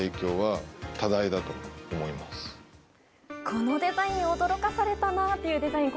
このデザイン驚かされたなというデザイン